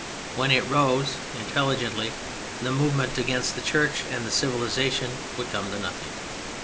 When it rose intelligently the movement against the Church and civilization would come to nothing.